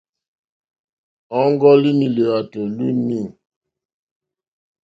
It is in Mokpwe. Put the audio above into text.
Ɔ́ŋɡɔ́línì lwàtò lúú!ní.